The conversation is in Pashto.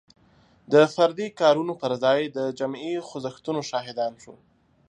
د فردي کارونو پر ځای د جمعي خوځښتونو شاهدان شو.